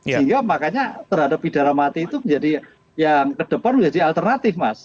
sehingga makanya terhadap pidana mati itu menjadi yang kedepan menjadi alternatif mas